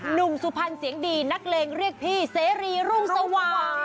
สุพรรณเสียงดีนักเลงเรียกพี่เสรีรุ่งสว่าง